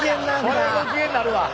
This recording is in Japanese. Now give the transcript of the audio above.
これはご機嫌になるわ！